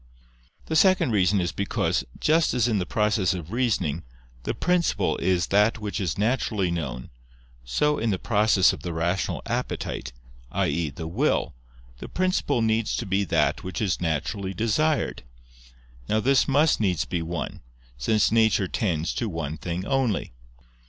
The second reason is because, just as in the process of reasoning, the principle is that which is naturally known, so in the process of the rational appetite, i.e. the will, the principle needs to be that which is naturally desired. Now this must needs be one: since nature tends to one thing only.